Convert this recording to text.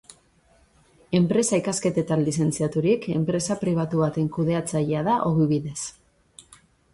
Enpresa-ikasketetan lizentziaturik, enpresa pribatu baten kudeatzailea da ogibidez.